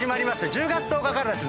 １０月１０日からです。